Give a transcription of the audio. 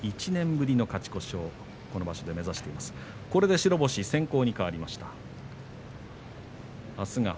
１年ぶりの勝ち越しをこの場所で目指しています。